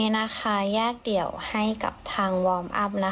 แล้วเดี๋ยวดูนะ